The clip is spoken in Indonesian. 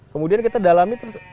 kemudian kita dalami terus